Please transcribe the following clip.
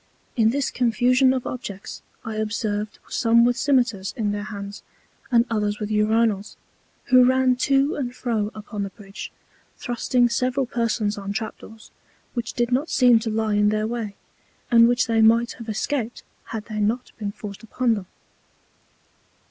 In this Confusion of Objects, I observed some with Scymetars in their Hands, and others with Urinals, who ran to and fro upon the Bridge, thrusting several Persons on Trap doors which did not seem to lie in their way, and which they might have escaped had they not been forced upon them.